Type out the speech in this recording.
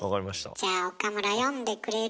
じゃあ岡村読んでくれる？